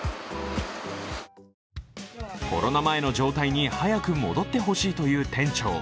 コロナ前の状態に早く戻ってほしいという店長。